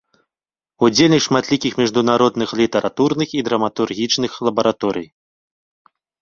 Удзельнік шматлікіх міжнародных літаратурных і драматургічных лабараторый.